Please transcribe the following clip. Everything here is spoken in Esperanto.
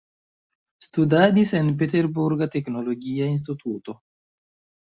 Studadis en Peterburga teknologia instituto.